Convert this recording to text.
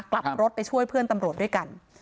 กลับรถไปช่วยเพื่อนตำรวจด้วยกัน